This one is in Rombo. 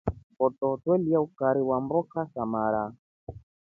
Ngoto twelya ukari namboka za mara.